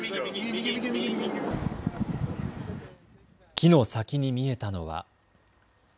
木の先に見えたのは。